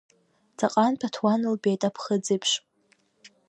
Ҵаҟантә аҭуан лбеит, аԥхыӡ еиԥш.